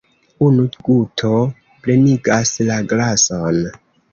Unu guto plenigas la glason.